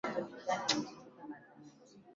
meli ya titanic ilizama katika atlantiki ya kaskazini